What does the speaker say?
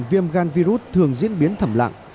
viêm gan virus thường diễn biến thẩm lặng